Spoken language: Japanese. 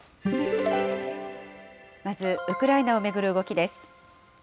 まず、ウクライナを巡る動きです。